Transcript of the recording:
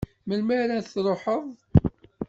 Melmi ara n-truḥeḍ?